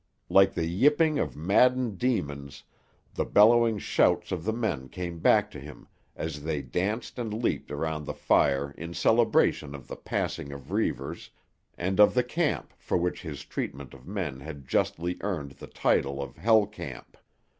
Like the yipping of maddened demons, the bellowing shouts of the men came back to him as they danced and leaped around the fire in celebration of the passing of Reivers and of the camp for which his treatment of men had justly earned the title of Hell Camp.